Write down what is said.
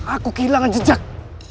aku kehilangan jejak